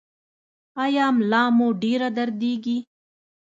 ایا ملا مو ډیره دردیږي؟